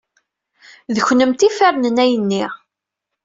D kennemti ay ifernen ayenni.